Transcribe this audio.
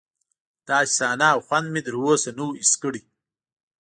داسې صحنه او خوند مې تر اوسه نه و حس کړی.